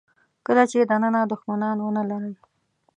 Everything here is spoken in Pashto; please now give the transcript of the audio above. کله چې دننه دوښمنان ونه لرئ.